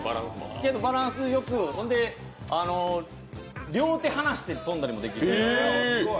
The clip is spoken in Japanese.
バランスよく、ほんで両手離して跳んだりもできる。